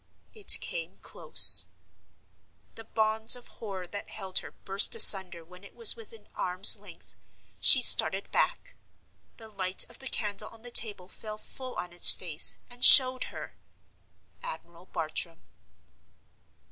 It came close. The bonds of horror that held her burst asunder when it was within arm's length. She started back. The light of the candle on the table fell full on its face, and showed her—Admiral Bartram.